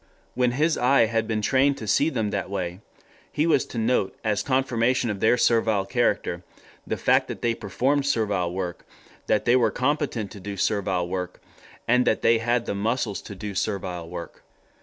When his eye had been trained to see them that way, he was to note as confirmation of their servile character the fact that they performed servile work, that they were competent to do servile work, and that they had the muscles to do servile work.